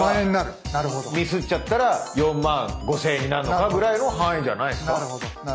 ミスっちゃったら４万５，０００円になるのかぐらいの範囲じゃないですか？